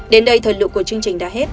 đến đây thời lượng của chương trình